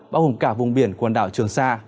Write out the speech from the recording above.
bao gồm cả vùng biển quần đảo trường sa